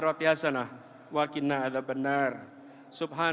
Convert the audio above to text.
jadikan kampung kami kampung yang rukun